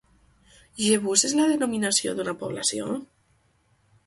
Jebús és la denominació d'una població?